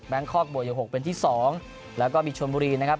คอกบวกอยู่๖เป็นที่๒แล้วก็มีชนบุรีนะครับ